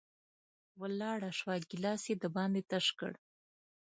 ولاړه شوه، ګېلاس یې د باندې تش کړ